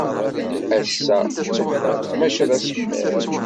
Ass-a d tafukt, maca d asemmiḍ.